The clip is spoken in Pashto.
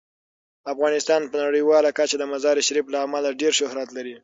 افغانستان په نړیواله کچه د مزارشریف له امله ډیر شهرت لري.